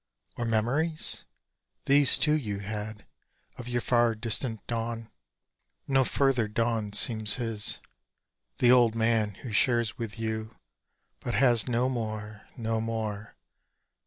Or memories? These, too, you had of your far distant dawn. No further dawn seems his, The old man who shares with you, But has no more, no more.